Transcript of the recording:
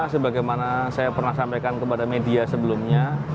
sebagaimana saya pernah sampaikan ke anda